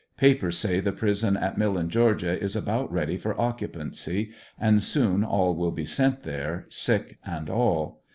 Papers say the prison at Millen, Ga., is about ready for occupancy, and soon all will be sent there, sick and all.